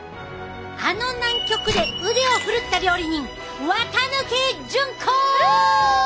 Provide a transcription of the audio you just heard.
あの南極で腕を振るった料理人フ！